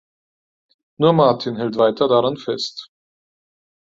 Nur Martin hält weiter daran fest.